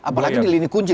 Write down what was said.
apalagi di lini kunci